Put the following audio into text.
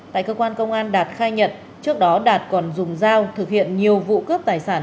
tại cơ quan công an đạt khai nhận trước đó đạt còn dùng dao thực hiện nhiều vụ cướp tài sản